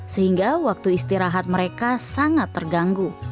sehingga waktu istirahat mereka sangat terganggu